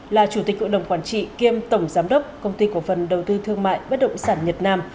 là chủ tịch hội đồng quản trị kiêm tổng giám đốc công ty cổ phần đầu tư thương mại bất động sản nhật nam